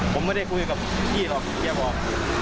ผมไม่ได้คุยกับพี่หรอกแกบอก